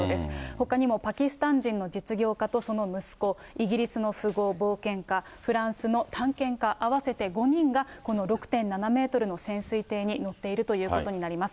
ほかにもパキスタン人の実業家とその息子、イギリスの富豪、冒険家、フランスの探検家合わせて５人がこの６．７メートルの潜水艇に乗っているということになります。